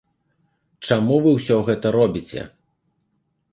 Чаму вы ўсё гэта робіце?